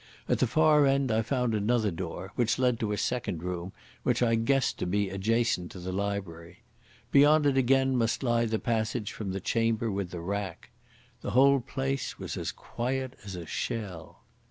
At the far end I found another door, which led to a second room, which I guessed to be adjacent to the library. Beyond it again must lie the passage from the chamber with the rack. The whole place was as quiet as a shell.